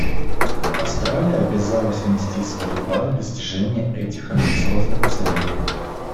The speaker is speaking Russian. Австралия обязалась внести свой вклад в достижение этих амбициозных целей.